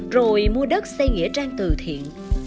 rồi mua đất xây nghĩa trang từ thiện